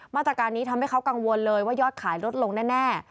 มาตรการนี้ทำให้เขากังวลเลยว่ายอดขายลดลงแน่